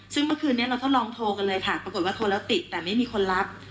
ซึ่งเมื่อคืนนี้เราทดลองโทรกันเลยค่ะปรากฏว่าโทรแล้วติดแต่ไม่มีคนรับ